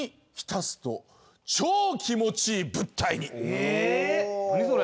え何それ？